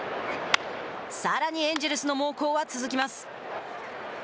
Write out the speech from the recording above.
さらにエンジェルスの猛攻は続きます。